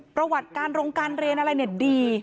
ประวัติการโรงการเรียนอะไรเนี่ยดี